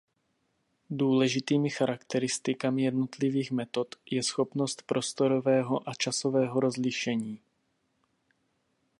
Důležitými charakteristikami jednotlivých metod je schopnost prostorového a časového rozlišení.